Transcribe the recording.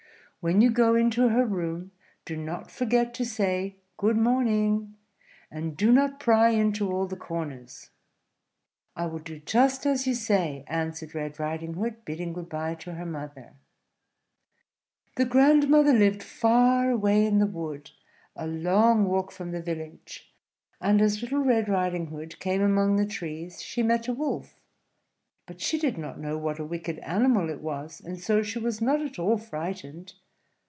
When you go into her room, do not forget to say 'Good morning'; and do not pry into all the corners." "I will do just as you say," answered Red Riding Hood, bidding good bye to her mother. [Illustration: Painted by Jennie Harbour LITTLE RED RIDING HOOD] The grandmother lived far away in the wood, a long walk from the village, and as Little Red Riding Hood came among the trees she met a wolf; but she did not know what a wicked animal it was, and so she was not at all frightened.